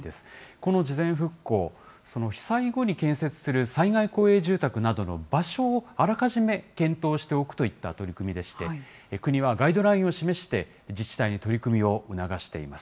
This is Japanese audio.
この事前復興、被災後に建設する災害公営住宅などの場所をあらかじめ検討しておくといった取り組みでして、国はガイドラインを示して、自治体に取り組みを促しています。